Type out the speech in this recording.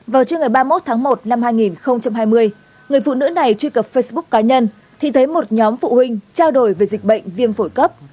vào trưa ngày ba mươi một tháng một năm hai nghìn hai mươi người phụ nữ này truy cập facebook cá nhân thì thấy một nhóm phụ huynh trao đổi về dịch bệnh viêm phổi cấp